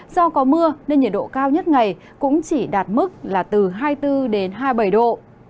do có mưa nên nhiệt độ cao nhất ngày cũng chỉ đạt mức là từ hai mươi bốn đến hai mươi bảy độ